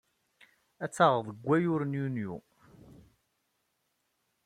Ad t-aɣeɣ deg wayyur n Yunyu.